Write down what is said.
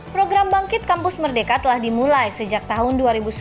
program bangkit kampus merdeka telah dimulai sejak tahun dua ribu sebelas